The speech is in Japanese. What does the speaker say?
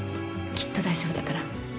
きっと大丈夫だから。